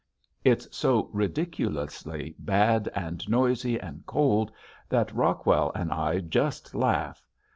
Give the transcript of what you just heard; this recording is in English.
It's so ridiculously bad and noisy and cold that Rockwell and I just laugh.